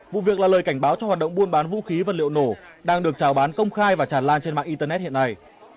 vụ việc là lời cảnh báo cho hoạt động buôn bán vũ khí vật liệu nổ đang được trào bán công khai và tràn lan trên mạng internet hiện nay